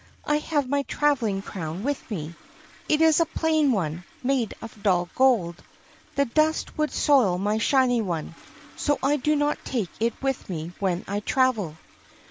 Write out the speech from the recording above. I have my traveling crown with me. It is a plain one, made of dull gold. The dust would soil my shiny one, so I do not take it with me when I travel."